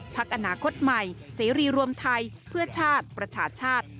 พักอนาคตใหม่เสรีรวมไทยเพื่อชาติประชาชาติ